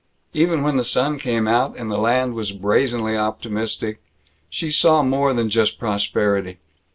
Even when the sun came out, and the land was brazenly optimistic, she saw more than just prosperity.